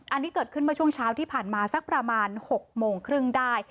อันนี้เกิดขึ้นเมื่อช่วงเช้าที่ผ่านมาสักประมาณ๖โมงครึ่งได้